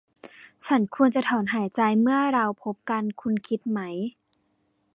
ฉันควรจะถอนหายใจเมื่อเราพบกันคุณคิดไหม ?